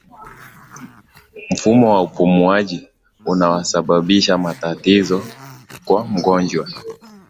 mfumo wa upumuaji unasababisha matatizo kwa mgonjwa